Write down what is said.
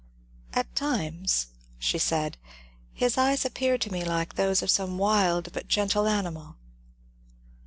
" At times," she said, ^* his eyes appear to* me like those of some wild but gen tle animal."